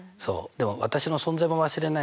でも私の存在も忘れないでね。